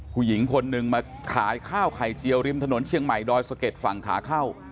ผู้หญิงคนหนึ่งมาขายข้าวไข่เจียวริมถนนเชียงใหม่ดอยสะเก็ดฝั่งขาเข้า